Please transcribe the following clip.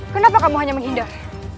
kenapa kamu hanya menghindar